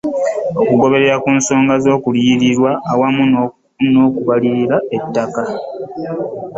Okugoberera ku nsonga z'okuliyirirwa wamu n'okubalirira ettaka